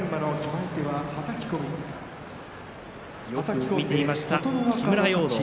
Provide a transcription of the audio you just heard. よく見ていました木村容堂。